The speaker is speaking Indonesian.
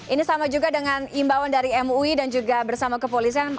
ini sama juga dengan imbauan dari mui dan juga bersama kepolisian